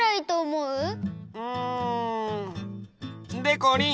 うんでこりん！